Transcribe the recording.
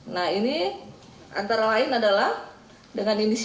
nah ini antara lain adalah dengan inisial wsa